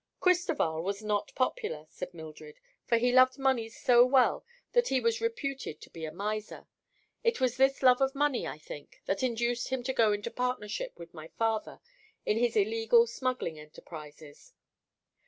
"Cristoval was not popular," said Mildred, "for he loved money so well that he was reputed to be a miser. It was this love of money, I think, that induced him to go into partnership with my father in his illegal smuggling enterprises.